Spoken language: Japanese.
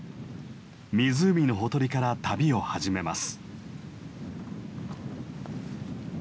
湖のほとりから旅を始めます。